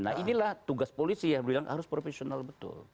nah inilah tugas polisi yang bilang harus profesional betul